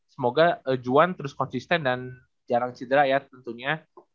semoga juan terus konsisten dan jarang cedera ya tentunya